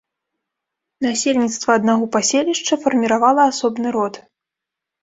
Насельніцтва аднаго паселішча фарміравала асобны род.